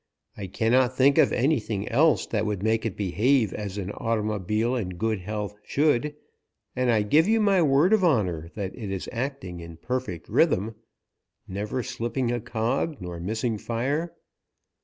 I cannot think of anything else that would make it behave as an automobile in good health should, and I give you my word of honour that it is acting in perfect rhythm, never slipping a cog nor missing fire.